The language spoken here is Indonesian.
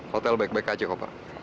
hotel baik baik aja kok pak